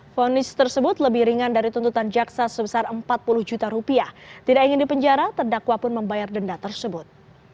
fonis tersebut lebih ringan dari tuntutan jaksa sebesar empat puluh juta rupiah tidak ingin dipenjara terdakwa pun membayar denda tersebut